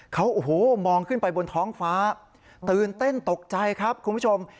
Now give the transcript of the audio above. เขาโอ้โหมองขึ้นไปบนท้องฟ้าตื่นเต้นตกใจครับคุณผู้ชม